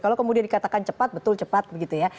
kalau kemudian dikatakan cepat betul cepat begitu ya